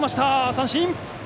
三振！